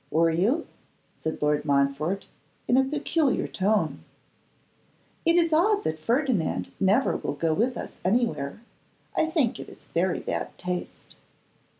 'Were you?' said Lord Montfort, in a peculiar tone. 'It is odd that Ferdinand never will go with us anywhere. I think it is very bad taste.